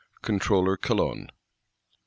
Controller Calonne.